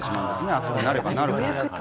暑くなればなるほど。